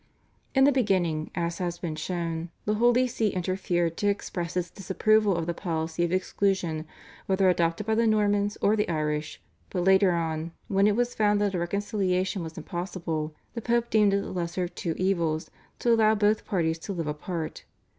In the beginning, as has been shown, the Holy See interfered to express its disapproval of the policy of exclusion whether adopted by the Normans or the Irish, but later on, when it was found that a reconciliation was impossible, the Pope deemed it the lesser of two evils to allow both parties to live apart.